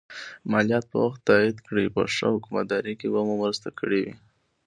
مالیات په وخت تادیه کړئ په ښه حکومتدارۍ کې به مو مرسته کړي وي.